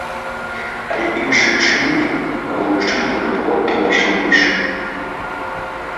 Але іншы чыннік павучыных прыгодаў важнейшы.